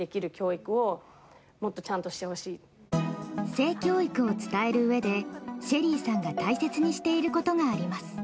性教育を伝えるうえでＳＨＥＬＬＹさんが大切にしていることがあります。